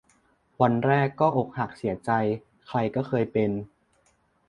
วันแรก ก็อกหัก เสียใจ ใครก็เคยเป็น